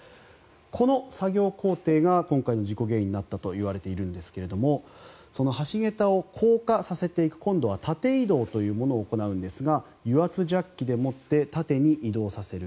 この作業工程が今回の事故原因だったといわれているんですが橋桁を降下させていく今度は縦移動というものを行うんですが油圧ジャッキで持って縦に移動させる。